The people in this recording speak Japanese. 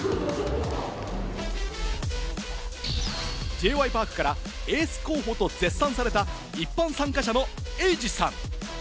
Ｊ．Ｙ．Ｐａｒｋからエース候補と絶賛された一般参加者のエイジさん。